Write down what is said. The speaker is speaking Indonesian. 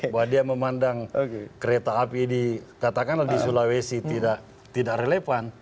bahwa dia memandang kereta api di katakanlah di sulawesi tidak relevan